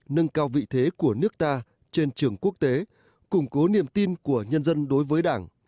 nâng cao vị thế của nước ta trên trường quốc tế củng cố niềm tin của nhân dân đối với đảng